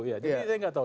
jadi saya nggak tahu